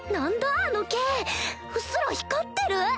あの剣うっすら光ってる？